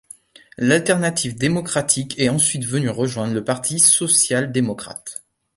L'Alternative démocratique est ensuite venue rejoindre le Parti social-démocrate.